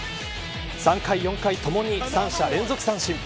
３回、４回ともに三者連続三振。